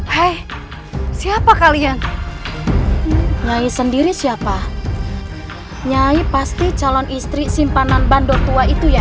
hai hai siapa kalian nyai sendiri siapa nyai pasti calon istri simpanan bandot tua itu ya